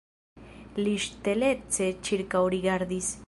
Li ŝtelece ĉirkaŭrigardis.